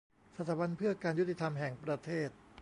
สถาบันเพื่อการยุติธรรมแห่งประเทศ